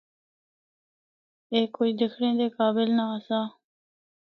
اے کجھ دکھنڑا دے قابل نہ آسا۔